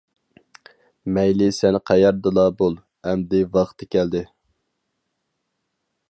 مەيلى سەن قەيەردىلا بول، ئەمدى ۋاقتى كەلدى.